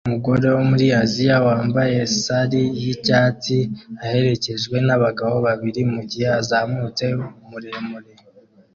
Umugore wo muri Aziya wambaye sari yicyatsi aherekejwe nabagabo babiri mugihe azamutse muremure